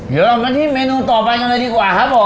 เดี๋ยวเรามาที่เมนูต่อไปกันเลยดีกว่าครับผม